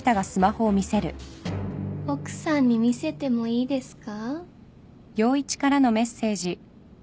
奥さんに見せてもいいですか？